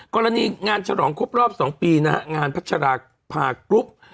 กรณีงานฉลองครบรอบ๒ปีนะฮะงานพัชราภากรุ๊ป